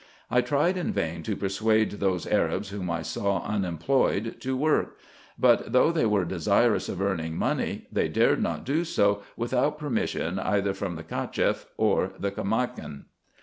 I tried in vain to persuade those Arabs whom I saw unemployed to work ; but, though they were desirous of earning money, they dared not do so, without permission either from the Cacheff or the Caimakan.